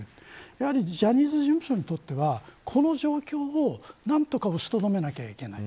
やはりジャニーズ事務所にとってはこの状況を何とかおしとどめなければいけない。